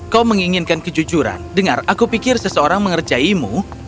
kau menginginkan kejujuran dengar aku pikir seseorang mengerjaimu